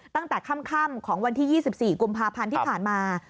ตั้งแต่ค่ำของวันที่๒๔กุมภาพันธ์ที่ผ่านมา